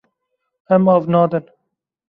Em av nadin.